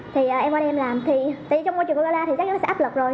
thì em qua đây em làm tại vì trong môi trường con em gala thì chắc nó sẽ áp lực rồi